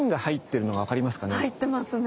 入ってますね。